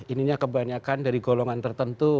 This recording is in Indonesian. ininya kebanyakan dari golongan tertentu